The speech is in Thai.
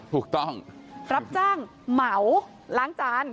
ถูกต้องรับจ้างเหมาล้างจาน